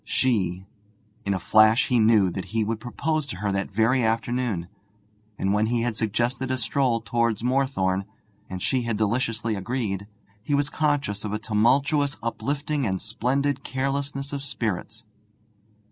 She.... In a flash he knew that he would propose to her that very afternoon. And when he had suggested a stroll towards Moorthorne, and she had deliciously agreed, he was conscious of a tumultuous uplifting and splendid carelessness of spirits.